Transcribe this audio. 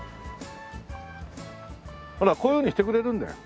ほらこういうふうにしてくれるんだよ。